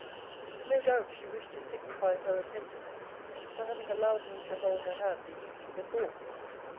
No doubt she wished to signify her repentance for having allowed me to hold her hand the evening before.